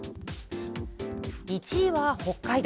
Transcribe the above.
１位は北海道。